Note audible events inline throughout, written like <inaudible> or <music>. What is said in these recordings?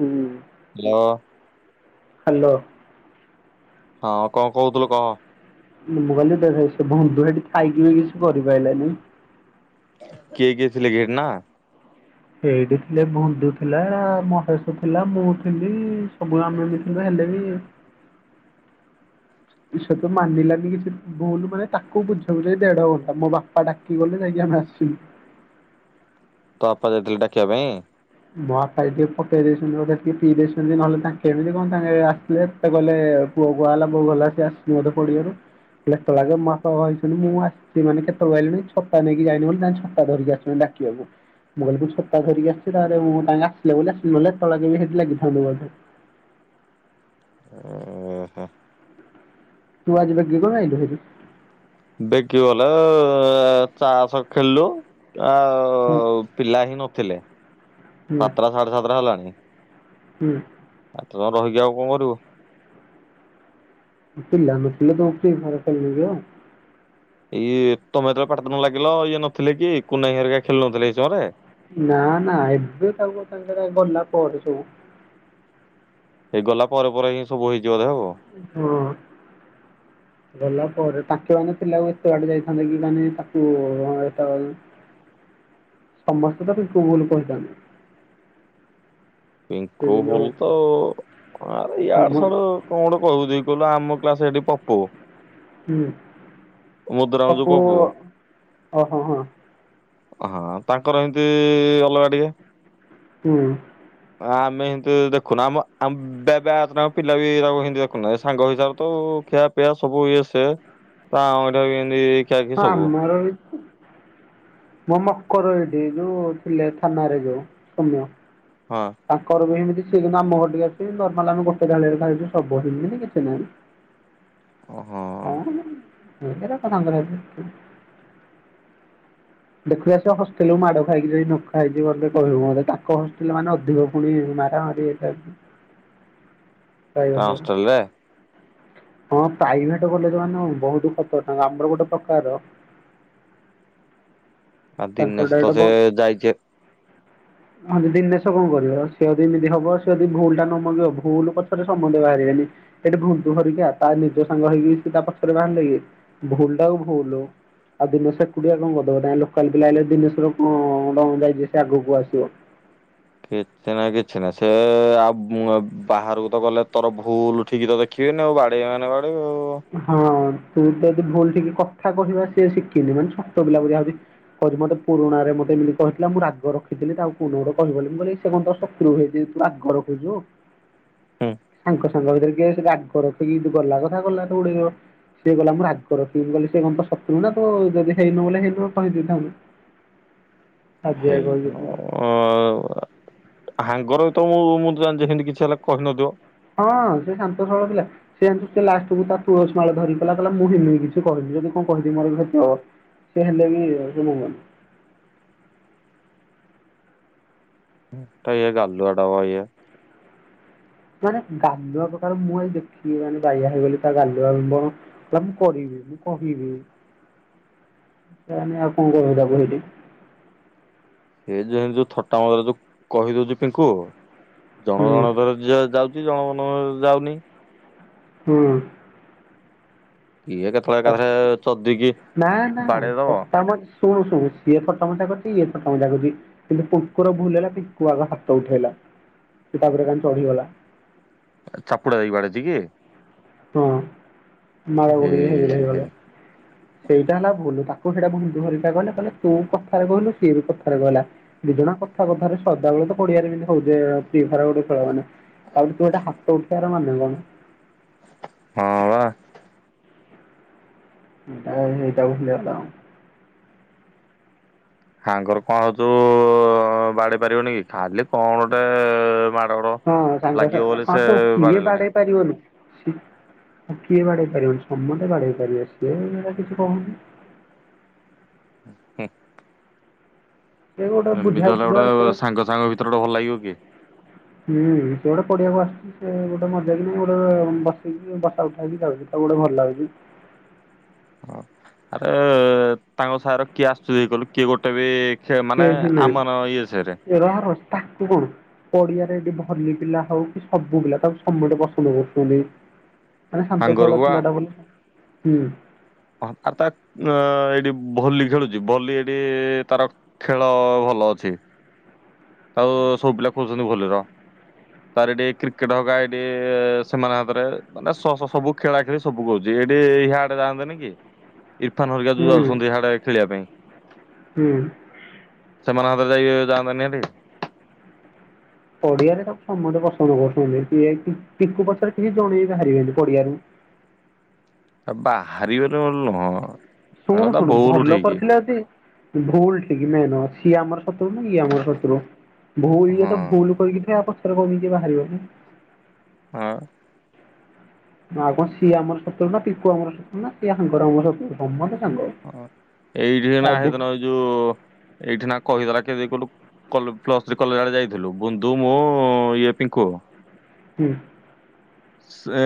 ହୁଁ। Hello. Hello. ହଁ କଣ କହୁଥିଲୁ କହ? ମୁଁ କହିଲି ଦେଖେ ସେ ବନ୍ଧୁ ସେଇଠି ଥାଇକି ବି କିଛି କରିପାଇଲାନି। କିଏ କିଏ ଥିଲେ <unintelligible> ନା? ସେଇଠି ଥିଲେ ବନ୍ଧୁ ଥିଲା, ମହେଶ ଥିଲା, ମୁଁ ଥିଲି ସବୁ ଆମେ ମି କିନ୍ତୁ ହେଲେବି <unintelligible> ସେତ ମାନିଲାନି କିଛି ଭୁଲ ମାନେ ତାକୁ ବୁଝଉ ଯେ ଦେଢଘଣ୍ଟା। ମୋ ବା ପା ଡାକି କି ଗଲେ ଯାଇକି ଆମେ ଆସିଲୁ। ତୋ ବାପା ଯାଇଥିଲେ ଡାକିବା ପାଇଁ? ମୋ ବାପା ଆଜି ଟିକେ ପକେଇ ଦେଇଛନ୍ତି ବୋଧେ ଟିକେ ପିଇ ଦେଇଛନ୍ତି ନହେଲେ ତାଙ୍କେ ଏମିତି କଣ <unintelligible> ଆସିଲେ। ସେ କହିଲେ ପୁଅ କୁଆଡେ ଗଲା? ବୋଉ କହିଲା ସିଏ ଆସିିନି ବୋଧେ ପଡିଆରୁ। କହିଲେ ଏତେବେଳ ଯାକେ ମୋ ବାପା <unintelligible> ମୁଁ ଆସିଛି ମାନେ କେତବେଳୁ ଆଇଲିଣି। ଛତା ନେଇକି ଯାଇନି ବୋଲି ତାଙ୍କେ ଛତା ଧରିକି ଆସିଛନ୍ତି ଡ଼ା କିଆକୁ। ମୁଁ କହିଲି ତୁ ଛତା ଧରିକି ଆସ୍ ସେଠାରେ ମୁଁ ତାଙ୍କେ ଆସିଲେ ବୋଲି ଆସିଲି ନହେଲେ ଏତେବେଳ ଯାକେ ବି ସେଇଠି ଲାଗିଥାନ୍ତି ବୋଧେ। ଉଁ ତୁ ଆଜି ବେଗି କଣ ଆଇଲୁ ଭାରି? ବେଗି ବୋଲେ ଏଁ ଚାଷ୍ ଖେଳିଲୁ ଆଃ ହୁଁ। ପିଲା ହିଁ ନଥିଲେ ହୁଁ ସାତଟା ସାଢେ ସାତଟା ହେଲାଣି। ହୁଁ। ଏତେ ସମୟ ରହିକି ଆଉ କଣ କରିବୁ? ପିଲା ନଥିଲେ ତମେ କି ଖେଳ ଖେଳିବ କି ଆଉ। ଇଏ ତମେ ଯେତବେଳେ ପାଟି ତୁଣ୍ଡ ଲାଗିଲ ଇଏ ନଥିଲେ କି କୁନାଭାଇ ହେରିକା ଖେଳୁନଥିଲେ ହେଇ ସମୟରେ? ନା ନା ଏବେ ତାକୁ ତାଙ୍କର ଗଲା ପରେ ସବୁ ଏଇ ଗଲା ପରେ ପରେ ହିଁ ସବୁ ହେଇଚି ବୋଧେ ଆଉ। ହଁ। ଗଲା ପରେ ତାଙ୍କେ ମାନେ ପିଲାକୁ ଏତେ ବାଟ ଯାଇଥାନ୍ତେ କି ମାନେ ତାକୁ ଅଁ ଏତେବେଳ ଯାଏ। <unintelligible> ସମସ୍ତେ ତ ପିଙ୍କୁକୁ ଭୁଲ୍ କହୁଛନ୍ତି। ସେ ପିଙ୍କୁ ଯୋଉ ଭୁଲ୍ ତ ଆରେ ସମ ୟାର ସଳ କଣ ଗୋଟେ କହିବୁ ଦେଖି କହିଲୁ ଆମ କ୍ଲାସ ହେଠି ପପୁ ହୁଁ ମୁଦୁରାମ ଯୋଉ ପପୁ ଓହୋ ହଁ। ହଁ ତାଙ୍କର ଏମତି ଅଲଗା ଟିକେ ହୁଁ। ଆମେ ହେମିତି ଦେଖୁନୁ ଆମ ଆମେ ବ୍ୟା ବ୍ୟାଚ୍ ଟାଙ୍କ ପିଲା ବି ତାଙ୍କୁ ହେମିତି ଦେଖୁନାହ। ଏ ସାଙ୍ଗ ହିସାବରେ ତ ଖିଆ ପ୍ରାୟ ସବୁ ଇଏ ସେ ତା ଅଇଁଠା ଏମତି ହଁ ଆମର ବି ମୋ ମକର ଏଇଠି। ଯୋଉ ଥିଲେ ଥାନାରେ ଯୋଉ ସୋମ୍ୟ। ହଁ। ତାଙ୍କର ବି ଏମିତି। ସିଏ କିନ୍ତୁ ଆମ ଘର ଠିକି ଆସିବେ ନର୍ମାଲ ଆମେ ଗୋଟେ ଥାଳିରେ ଖାଇଛୁ ସବୁ ହେମିତି କିଛି ନାଇଁ ଓହୋ। କଣ ହେରା ସାଙ୍ଗରେ <unintelligible> ଦେଖିବ ସେ ହଷ୍ଟେଲ୍ ରୁ ମାଡ ଖାଇକି ଯଦି ନ ଖାଇଚି ମୋତେ କହିବ ମୋତେ ତାଙ୍କ ହଷ୍ଟେଲ ମାନେ ଅଧିକ ପୁଣି ମାରାମାରି ହେଇଥା <unintelligible> ପାଇଭେଟରେ ହଷ୍ଟେଲରେ ହଁ ପ୍ରାଇଭେଟ କଲେଜ ମାନେ ବହୁତ ଖର୍ଚ୍ଚ ତା ଆମର ଗୋଟେ ପ୍ରକାର ଆଉ ତାଙ୍କର ଦିନେଶ ତ ଡ଼ାଇରେକ୍ଟ ସେ ବନ୍ଦ <unintelligible> ହଁ ଦିନେଶ କଣ କରିବ। ସେ ଯଦି ଏମିତି ହବ ସେ ଯଦି ଭୁଲ ଟା ନ ମାଗିବ, ଭୁଲ ପଛରେ ସମସ୍ତେ ବାହାରିବେନି। ସେଠି ଭୁଲ ତୁ ଧରିକିଆ, ତା ନିଜ ସାଙ୍ଗ ହେଇକି ସେ ତା ପଛରେ ବାହାରିଲେ କି? ଭୁଲ ଟା ଭୁଲ। ଆଉ ଦିନେଶ ସେ ଏକୁଟିଆ କଣ କରିଦବ। ତାଙ୍କ ଲୋକାଲ ପିଲା ଆଇଲେ ଦିନେଶର କଣ ଯାଇଛି ସେ ଆଗକୁ ଆସିବ କିଛି ନାହିଁ କିଛି ନାହିଁ। ସେ ଆଉ ମୁଁ ଏ ବାହାରକୁ ତ ଗଲେ ତୋର ଭୁଲ ଠିକ ତ ଦେଖିବେନି ଆଉ ବାଡେଇବେ ମାନେ ବାଡେଇବେ ଆଉ। ହଁ, ତୁ ତ ଯଦି ଭୁଲ ଠିକ କଥା କହିବା ସିଏ ଶିଖିନି ମାନେ ଛୋଟ ପିଲା ପରିକା ହୋଉଛି କହୁଚି ମତେ ପୁରୁଣାରେ ମତେ ଏମିତି କହିଥିଲା ମୁଁ ରାଗ ରଖିଥିଲି ତାକୁ କୋଉଦିନ ଗୋଟେ କହିବିବୋଲି। ମୁଁ କହିଲି ସେ କଣ ତୋ ସତ୍ ତ୍ରୁ ହେଇଚି ଯେ ତୁ ରାଗ ରଖୁଛୁ? <inaudible> ହୁଁ ସାଙ୍ଗ ସାଙ୍ଗ ଭିତରେ କିଏ ସେ ରାଗ ରଖେ କି। ଗଲା କଥା ଗଲା ତ ଉଡେଇବ। ସିଏ କହିଲା ମୁଁ ରାଗ ରଖିକି, ମୁଁ କହିଲି ସେ କଣ ତୋ ଶତ୍ରୁ ନା ତୁ ଯଦି ହେଇନୁ ବଲେ ହେଇନୁ କହିଦେଇଥାନ୍ତୁ <inaudible> ଆଜ୍ଞା କହିକି ହେଇଦିନ ଥିଲା। ହାଙ୍ଗର ତ ମୁଁ, ମୁଁ ତ ଜାଣିଚି ହେମିତି କିଛି ହେଲା କହିନଥିଅ। ହଁ ସେ ଶାନ୍ତ ସରଳ ଥିଲା। ସେ ଜାଣିଚୁ ସେ ଲାଷ୍ଟକୁ ତା ତୁଳସି ମାଳ ଧରିକି କହିଲା କହିଲା ମୁଁ ହେମିତି କିଛି କହିନି। ଯଦି କଣ କହିଥିବି ମୋର କ୍ଷତି ହବ। ସେ ହେଇଲାଗି ସେ ମଙ୍ଗୁନି। ଏଟା ଇଏ ଗାଲୁଆଟା ମ ଇଏ। ମାନେ ଗାଲୁଆ ପ୍ରକାର। ମୁଁ ଏଇ ଦେଖି ମାନେ ବାଇଆ ହେଇଗଲି ତା ଗାଲୁ <unintelligible> କହିଲି ମୁଁ କରିବି, ମୁଁ କହିବି। ତା ମାନେ ଆଉ କଣ କହିବ ତାକୁ ହେଟି। ସେ ଯେ ଯୋଉ ଥଟା ମଜାରେ ଯୋଉ କହିଦଉଛି ପିଙ୍କୁ। ହୁଁ ଜଣ ଜଣ କର ଯେ ଯାଉଛି ଜଣଙ୍କ ମାନେକର ଯାଉନି। ହୁଁ। କିଏ କେତେବେଳେ ଏକାଥରେ ଚଦିକି ନା ନା ବାଡେଇ ଦବ। ଥଟା ମଜା ଶୁଣୁ ଶୁଣୁ ସିଏ ଥଟା ମଜା କରୁଚି। ଇଏ ଥଟା ମଜା କରୁଚି। କିନ୍ତୁ କୁକୁର ଭୁକିଲା ବେଳେ ପିକୁ ଆଗ ହାତ ଉଠେଇଲା। ସିଏ ତାଉପରେ କାହିଁକି ଚଢିଗଲା। ଚାପୁଡା ଦେଇକି ବାଡେଇଚି କି? ହଁ ନାଳ ଏ ଗଡିକି ହେଇ ହେ ହେଇଗଲା। ସେଇଟା ହେଲା ଭୁଲୁ। ତାକୁ ସେଇଟା ଭୁନ୍ଦୁ ହରିକା କହିଲେ। କହିଲେ ତୁ କଥାରେ କହିଲୁ ସିଏ ବି କଥାରେ କହିଲା। ଦିଇ ଜଣଯାକ କଥା କଥାରେ ସଦାବେଳେ ତ ପଡିଆରେ ଏମିତି ହଉଥିବେ। <unintelligible> ଗୋଟେ ଖେଳାଅନାହିଁ। ଆଉ ତୁ ଗୋଟେ ହାତ ଉଠେଇବାର ମାନେ କଣ? ହଁ ବା। ହୁଁ ହେଇଟାକୁ ଭୁଲିଗଲ। ସାଙ୍ଗର କଣ ତୁ ବାଡେଇ ପାରିବୁନିକି? ଖାଲି କଣ ଗୋଟେ ମା ହଁ ସାଙ୍ଗ ସା ହଁ କିଏ ବାଡେଇଲାନି ବାଡେଇ ପାରିବନି। ଆଉ କିଏ ବାଢେଇ ପାରିବନି ସମସ୍ତେ ବାଢେଇ ପାରିବେ। ସିଏ ହେଟା କିଛି କହୁନି। ହୁଁ। ସେ ଗୋଟେ ଏମିତି ବୁଝା ହେଲେ ସୁଝା ଗୋଟେ ସେ ସାଙ୍ଗ ସାଙ୍ଗ ଭିତରେ ଗୋଟେ ଭଲ ଲାଗିବ କି? ହୁଁ ସେ ଗୋଟେ ପଡ଼ିଆକୁ ଆ ସେ ଗୋଟେ ମଜାକ ଗୋଟେ ବସେଇକି ବସା ଉଠାକରି ଯାଉଚି। ତାକୁ ଗୋଟେ ଭଲ ଲାଗୁଛି। ହଁ ଆରେ ତାଙ୍କ ସାର କିଏ ଆସୁଚି କହିଲୁ କିଏ ଗୋଟେ ବି ସେ ମାନେ ଆମର ଇଏ ସାଇରେ। ଏ ରହ ରହ ତାକୁ କହୁ। ପଡିଆରେ ଏଠି ଭଲି ପିଲା ହଉ କି ସବୁ ପିଲା ତାକୁ ସମତେ ପସନ୍ଦ କରୁଛନ୍ତି। ମାନେ ଶାନ୍ତ ସରଳ ସାଙ୍ଗରକୁ ବା ପିଲାଟା ବୋଲି ହୁଁ। ହ ଆ ତା ଅଁ ଏଇଠି ଭଲି ଖେଳୁଛି ଭଲି ଏଠି ତାର ଖେଳ ଭଲ ଅଛି। ଆଉ ସବୁ ପିଲା କହୁଚନ୍ତି ଭଲିର। ତାର ଏଇଟି କ୍ରିକେଟ ହଗା ଏଇଟି ସେମାନ ହାତରେ ମାନେ ସ ସ ସବୁ ଖେଳା ଖେଳି ସବୁ କରୁଚି। ହେଟି ହିଆଡେ ଯାଆନ୍ତାନି କି? ଇରଫାନ ହରିିକା ଯୋଉ ହୁଁ ଯାଉଛନ୍ତି ହାଡେ ଖେଳିବା ପାଇଁ। ହୁଁ। ସେମାନଙ୍କ ହାତରେ ଯାଇ ଯାଆନ୍ତାନି ହେଟି। ପଡିଆରେ ସବୁ ସମସ୍ତେ ପସନ୍ଦ କରୁଛନ୍ତି କି ପିକୁ ପଛରେ କିଛି ଜଣେଇ ବି ବାହାରିବେନି ପଡିଆରେ। ଆଉ ବାହାରିିବାର ଲଣ ଶୁଣୁ ଶୁଣୁ ଭଲ କରିଥିଲେ ଯଦି? ଭୁଲ ଠିକ ମେ ନ ସିଏ ଆମର ଶତ୍ରୁ ନା ଇଏ ଆମର ଶତ୍ରୁ। ଭୁଲ ଇଏ ହଁ ତ ଭୁଲ କରିଛି ଆ ପଛରେ କଣ କେହି ବାହାରିବେନି? ଆଉ। ନା କଣ ସିଏ ଆମର ଶତ୍ରୁ ନାଙଙଙ ଙଞଙ। ହଁ ଏଇଠି ନା ହେଇଦିନ ଏଇ ଯୋଉ ଏଇଠି ନା କହିଦଲା କେ ଦେଇ କହିଲୁ? କଲୁରେ ପ୍ଲସ୍ ଥ୍ରୀ କଲେଜ ଆଡେ ଯାଇଥିଲୁ। ବୁନ୍ଦୁ ମୁଁ ଇଏ ପିଙ୍କୁ। ହୁ। ସେ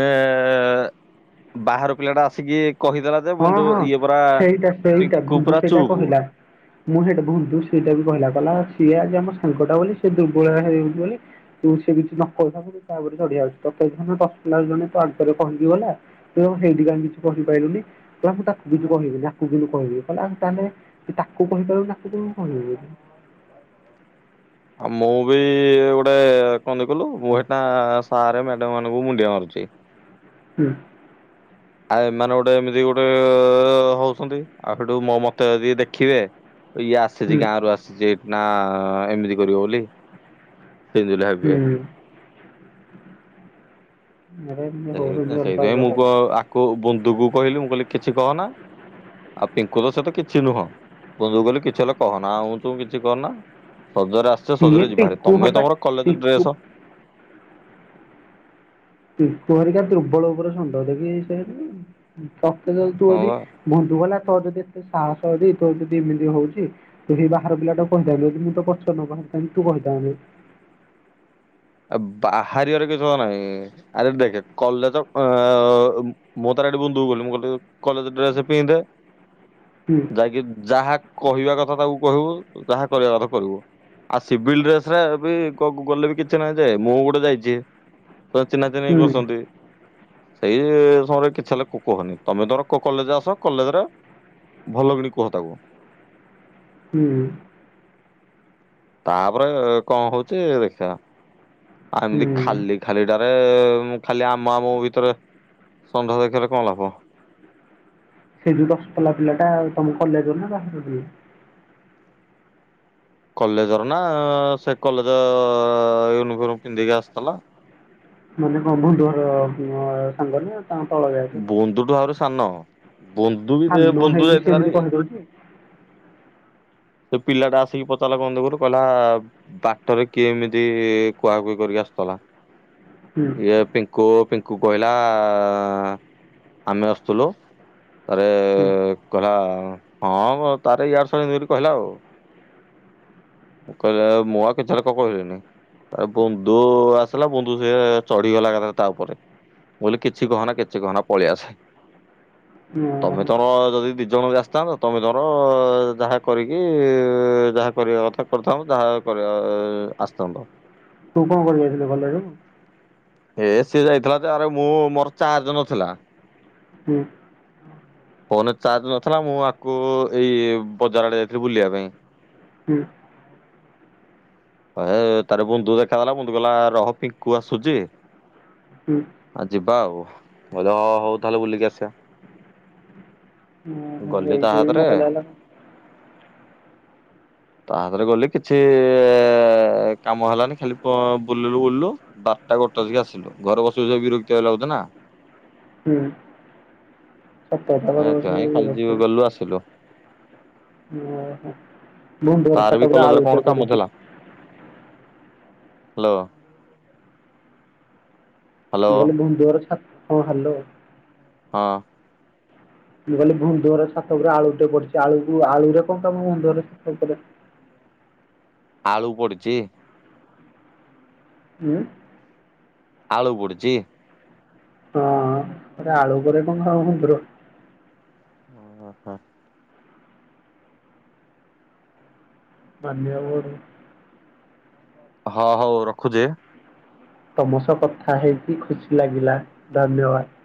ବାହାର ପିଲା ଟା ଆସିକି କହିଦେଲା। ଯେ ହଁ କିନ୍ତୁ ହଁ ଇଏ ପରା ସେଇଟା ସେଇଟା ପିଙ୍କୁ ପୁରା ଭୁନଡୁ ସେଇଟା ଚୁପ୍। କହିଲା। ମୁଁ ସେଇଟା ଭୁନ୍ଦୁ ସେଇଟା ବି କହିଲା। କହିଲା ସିଏ ଆମ ସାଙ୍ଗଟା ବୋଲି ସେ ଦୁର୍ବଳ ହେଇଯାଉଛି ବୋଲି ତୁ ସେ କିଛି ନ କହିଥାଉ କିନ୍ତୁ ତା ଉପରେ ଚଢିଆଉଚି। ତତେ ହେଇଥିନେ <unintelligible> ଜଣେ ତା ଭିତରେ କହିକିଗଲା। ତୁ ତାକୁ ହେଇଠି କାଇଁ କିଛି କହିପାଇଲୁନି। କହିଲା ମୁଁ ତାକୁ କିଛି କହିବି ନି। ଆକୁ କିନ୍ତୁ କହିବି ହେଲା ତାହେଲେ ତୁ ତାକୁ କହିପାରିବୁନି ଆକୁ କେମିତି କହିବୁ? ଆଉ ମୁଁ ବି ଗୋଟେ କଣନ୍ତି କିହିଲୁ। ମୁଁ ହେଟା ସାର ମ୍ୟାଡମ ମାନଙ୍କୁ ମୁଣ୍ଡିଆ ମାରୁଛି। ହୁଁ। ଆଉ ଏମାନେ ଗୋଟେ ଏମିତି ଗୋଟେ ହଉଛନ୍ତି ଆଉ ହେଟୁ ମ ମତେ ଅଦି ଦେଖିବେ ଇଏ ଆସିଚି ହୁଁ ଗାଁରୁ ଆସିଚି ନାଁ ଏମିତି କରିବ ବୋଲି? ସିଜୁଲି ହାବିଏ। ହୁଁ। ଆରେ ଏମିତି ସେଇ ତ ହଉଛନ୍ତି ଅଲଗା ସେଇଥିପାଇଁ ମୁଁ ପ୍ରକାର। କ ଆକୁ ବନ୍ଦୁକୁ କହିଲି ମୁଁ କହିଲି କିଛି କହନା। ଆଉ ପିଙ୍କୁ ତ ସେ ତ କିଛି ନୁହଁ ବନ୍ଦୁ କହିଲି କିଛି ହେଲେ କହନା ଆଉ ତୁ କିଛି କହନା। ସଜରେ ଆସିଚ ସିଏ ସଜରେ ଯିବାହାରି ପିଙ୍କୁ ତମେ ହକା ତମର କଲେଜରେ ପିଙ୍କୁ ଡ୍ରେସ ପିଙ୍କୁ ହରିକା ତ୍ରୁର୍ବଳ ଓପରେ ଷଣ୍ଢ ଟେକି ହେଇସାଇଲେଇଁ। ଉଁ ତତେ ଯଦି ତୁ ହଁ ଅଦି ବା ବନ୍ଧୁ କହିଲା ତୋର ଯଦି ଏତେ ସାହସ ଅଛି ତୋର ଯଦି ଏମିତି ହଉଚି ତ ସେଇ ବାହାର ପିଲାଟାକୁ କହିଥାନ୍ତି ଯଦି ମୁଁ ତୋ ପଛ ନ ବାହାରିଥାନ୍ତି ତୁ କହିଥାନ୍ତୁ। ରେ ବାହାରିିବାରେ କିଛି ଅ ନାଇଁ। ଆରେ ଦେଖେ କଲଜ ଅ ମୁଁ ତାନେ ଏଠି ବୁନ୍ଦୁକୁ କଲି ମୁଁ କଇଲି କଲେଜ ଡ୍ରେସେ ପିନ୍ଧେ। ହୁଁ। ଯାଇକି ଯାହା କହିବା କଥା ତାକୁ କହିବୁ ଯାହା କରିବା କଥା କରିବୁ। ଆ ସିଭିଲ୍ ଡ୍ରେସ୍ ରେ ବି ଗ ଗଲେ ବି କି ଛି ନାହିଁ ଯେ ମୁଁ ଗୋଟେ ଯାଇଚି ତ ଚିହ୍ନା ଚିହ୍ନି ହେଇ ହୁଁ ବସନ୍ତି। ଏଇ ସମୟରେ କିଛି ହେଲେ କୁ କୁହନି ତମେ ତମର କ କଲେଜ ଆସ କଲେଜରେ ଭଲ କିଣି କୁହ ତାକୁ। ହୁଁ। ତାପରେ କଁ ହଉଚି ଦେଖିବା ଆ ଏମିତି ହୁଁ ଖାଲି ଖାଲିଟାରେ ମୁ ଖାଲି ଆମ ଆମ ଭିତରେ ଷଣ୍ଢ ଦେଖେଇଲେ କଁ ଲାଭ? ସେଇ ଯୋଉ ଦଶପଲା ପିଲାଟା ଆଉ ତମ କଲେଜର ନାଁ ବାହାରରୁ କଲେଜର ନାଁ ସେ କଲେଜ ୟୁନିଫର୍ମ ପିନ୍ଧିକି ଆସିଥେଲା। ମାନେ କଁ ବନ୍ଧୁହର ଅ ସାଙ୍ଗ ନାଁ ତାଁ ତଳ ବ୍ୟା ବୋନ୍ଧୁଠୁ ଆହୁରି ସାନ ବନ୍ଧୁ ବି ସେ ସାନ ବୁନ୍ଦୁ ହେଇକି ସେ ଯାଇଥିଲା ଏମିତି ରେ। କହିଦଉଛି ସେ ପିଲାଟା ଆସିକି ପଚାରିଲା ବନ୍ଧୁ ଘରୁ କଲା ବାଟରେ କିଏ ଏମିତି କୁହାକୁହି କରିକି ଆସତେଲା ହୁଁ ଇଏ ପିଙ୍କୁ ପିଙ୍କୁ କହିଲା ଆମେ ଆସୁଥୁଲୁ। ତାରେ ହୁଁ କହିଲା ହଁ ମ ତାର ୟାଡ଼ୁ ସ ଏମିତି କିନି କହିଲା ଆଉ। ମୁଁ କହିବା ଆଉ ମୁଁ ଆଉ ପିଛାରେ କ କହିବିନି। ଆରେ ବନ୍ଧୁ ଆସିଲା ବନ୍ଧୁ ସିଏ ଚଢ଼ିଗଲା ଏକାଥରେ ତା ଓପରେ। ମୁଁ ଅଇଲି କିଛି କହନା କିଛି କହନା ପଳିଆସେ। ତମେ ଓହୋ। ତମର ଯଦି ଦି ଜଣ ବି ଆସିଥାନ୍ତ ତମେ ତମର ଯାହା କରିକି ଯାହା କରିବା କଥା କରିଥାନ୍ତ ଯାହା କରିବା ଆସିଥାନ୍ତ। ତୁ କଣ କରି ଯାଇଥିଲୁ କଲେଜକୁ? ଏ ସିଏ ଯାଇଥିଲା ଯେ ଆରେ ମୁଁ ମୋର ଚାର୍ଜ ନଥିଲା। ଉଁ ଫୋନ୍ ରେ ଚାର୍ଜ ନଥିଲା ମୁଁ ଆକୁ ଏଇ ବଜାର ଆଡ଼େ ଯାଇଥିଲି ବୁଲିବା ପାଇଁ। ହୁଁ। ପା ହେ ତାରେ ବନ୍ଧୁ ଦେଖାଗଲା। ବନ୍ଧୁ କହିଲା ରହ ପିଙ୍କୁ ଆସୁଚି ହୁଁ। ଆ ଯିବା ଆଉ। ମୁଁ କହିଲି ହଁ ହଉ ତାହେଲେ ବୁଲିକି ଆସିବା। ଓହୋ ଗଲି ତା ଏଇଥିପାଇଁ ହାତରେ। ମତେ ଲାଗିଲା ତା ହାତରେ ଗଲି କିଛି ଏ କାମ ହେଲାନି ଖାଲି ପ ବୁଲିଲୁ ବୁଲିଲୁ ବାରଟା ଗୋ ତହି ଆସିଲୁ ଘରେ ବସି ବସିଆ ବିରକ୍ତିଆ ଲାଗୁଚି ନା। ହୁଁ। ସତ କଥା ହେ କାଇଁ ଇଏ କାଲି ଯୋଉ ଗଲୁ ଆସିଲୁ। ମୁଁ ତାର ବର୍ଷା ବି ପାଗରେ କଲେଜରେ ଆଳୁ ଗୋଟେ କଣ କାମ ପୋଡ଼ିଚି। ଥିଲା ହ୍ୟାଲୋ। <unintelligible> ହ୍ୟାଲୋ ହଁ ହ୍ୟାଲୋ। ହଁ। ମୁଁ କହଲି ବନ୍ଧୁଘର ଛାତ ଉପରେ ଆଳୁଟେ ପଡିଛି। ଆଳୁ ଆଳୁରେ କଣ କାମ ବନ୍ଧୁଘର ଛାତ ଉପରେ? ଆଳୁ ପଡିଚି? ହୁଁ। ଆଳୁ ପଡିଚି? ହଁ ଗୋଟେ ଆଳୁ <unintelligible> ହଁ ହ। ମାନିବାକୁ ପଡ଼ିବ। ହ ହଉ ରଖୁଚି। ତମ ସହ କଥା ହେଇକି ଖୁସି ଲାଗିଲା, ଧନ୍ୟବାଦ।